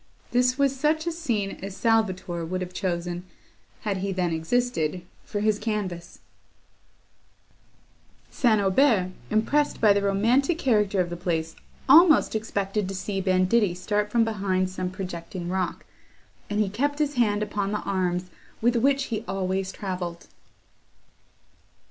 This was such a scene as Salvator would have chosen, had he then existed, for his canvas; St. Aubert, impressed by the romantic character of the place, almost expected to see banditti start from behind some projecting rock, and he kept his hand upon the arms with which he always travelled.